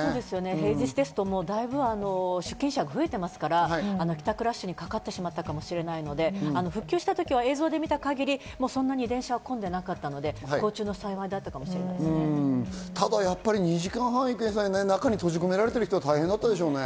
平日ですと出勤者が増えますから帰宅ラッシュにかかってしまったかもしれないので、復旧した時は映像で見た限り、電車は混んでいなかったので不幸中の幸いだった２時間半、中に閉じ込められている人は大変だったでしょうね。